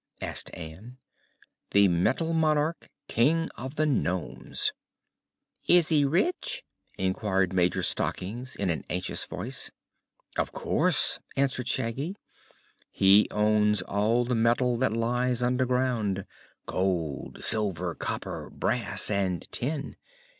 asked Ann. "The Metal Monarch, King of the Nomes." "Is he rich?" inquired Major Stockings in an anxious voice. "Of course," answered Shaggy. "He owns all the metal that lies underground gold, silver, copper, brass and tin.